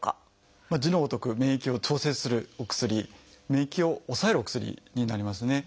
字のごとく免疫を調節するお薬免疫を抑えるお薬になりますね。